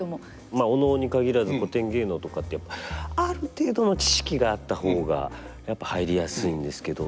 まあお能に限らず古典芸能とかってある程度の知識があった方がやっぱり入りやすいんですけど。